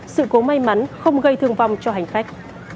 sự cố may mắn không gây thương vong cho hành khách